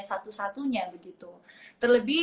satu satunya begitu terlebih